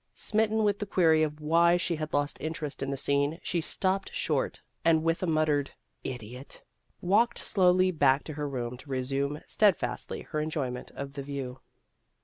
Smitten with the query of why she had lost interest in the scene, she stopped short, and with a muttered, " Idiot!" walked slowly back to her room to resume steadfastly her enjoyment of the view.